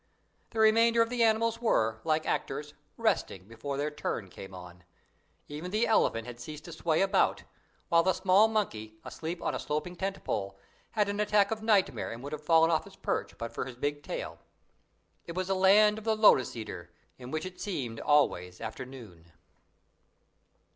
The remainder of the animals were, like actors, "resting" before their "turn" came on; even the elephant had ceased to sway about, while a small monkey, asleep on a sloping tent pole, had an attack of nightmare and would have fallen off his perch but for his big tail. It was a land of the Lotus eater "In which it seemed always afternoon."